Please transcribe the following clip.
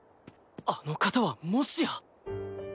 あの方はもしや。